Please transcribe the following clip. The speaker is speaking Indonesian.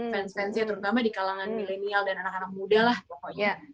fans fansnya terutama di kalangan milenial dan anak anak muda lah pokoknya